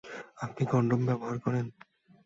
আপনি কনডম ব্যবহার করেন?